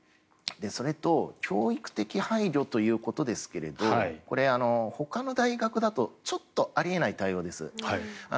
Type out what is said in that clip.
それと教育的配慮ということですけどこれ、ほかの大学だとちょっとあり得ない対応です。